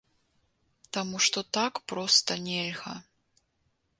Таму што так проста нельга.